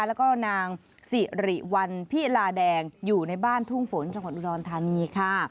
แล้วก็นางสิริวัลพิลาแดงอยู่ในบ้านทุ่งฝนจังหวัดอุดรธานีค่ะ